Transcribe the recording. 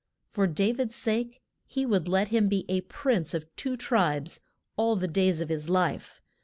For Da vid's sake he would let him be a prince of two tribes all the days of his life.